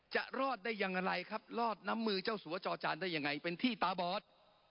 จะรอดได้อย่างไรครับรอดน้ำมือเจ้าสัวจอจานได้ยังไงเป็นที่ตาบอด